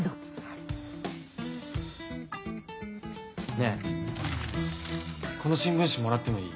ねぇこの新聞紙もらってもいい？